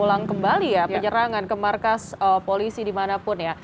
ulang kembali ya penyerangan ke markas polisi dimanapun ya